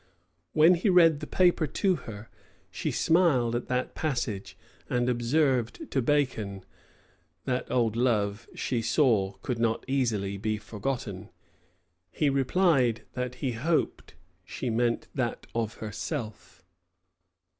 When he read the paper to her, she smiled at that passage, and observed to Bacon, that old love, she saw, could not easily be forgotten. He replied, that he hoped she meant that of herself.